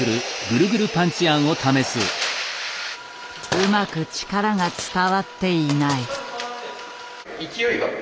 うまく力が伝わっていない。